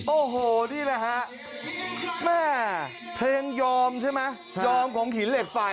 โอ้โหนี่แหละฮะแม่เพลงยอมใช่ไหมยอมของหินเหล็กไฟ